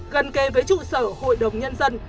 gần kề với trụ sở hội đồng nhân dân